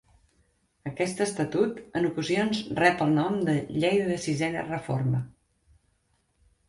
Aquest estatut en ocasions rep el nom de Llei de Sisena Reforma.